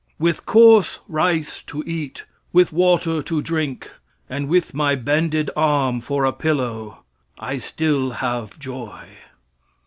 "With coarse rice to eat, with water to drink, and with my bended arm for a pillow, I still have joy.